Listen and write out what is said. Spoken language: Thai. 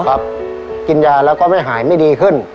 กินยาแล้วก็ไม่หายไม่ดีขึ้น